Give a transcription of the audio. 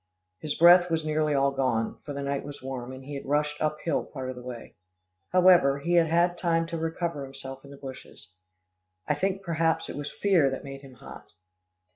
His breath was nearly all gone, for the night was warm, and he had rushed uphill part of the way. However, he had had time to recover himself in the bushes. I think perhaps it was fear that made him hot.